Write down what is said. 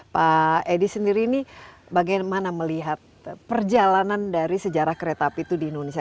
pak edi sendiri ini bagaimana melihat perjalanan dari sejarah kereta api itu di indonesia